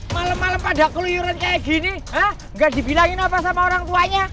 malam malam pada keluyuran kayak gini ah nggak dibilangin apa sama orang tuanya